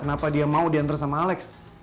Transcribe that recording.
kenapa dia mau diantar sama alex